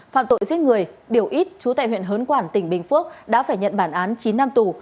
phạm tội giết người điều ít chú tại huyện hớn quản tỉnh bình phước đã phải nhận bản án chín năm tù